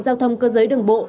giao thông cơ giới đường bộ